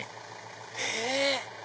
へぇ！